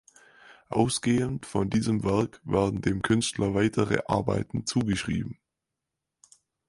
Ausgehend von diesem Werk werden dem Künstler weitere Arbeiten zugeschrieben.